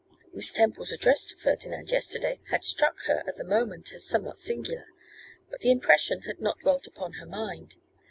Miss Temple's address to Ferdinand yesterday had struck her at the moment as somewhat singular; but the impression had not dwelt upon her mind.